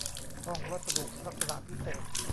ห้องวัสดุลักษณะพิเศษ